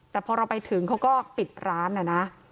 แต่พอเราไปถึงเขาก็ปิดร้านนะนะ